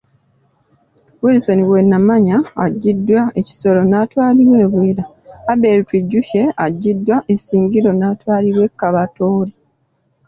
Wilson Wenamanya aggyiddwa e Kisoro naatwalibwa e Bwera, Abel Twijukye aggyiddwa Isingiro naatwalibwa e Kabatooro.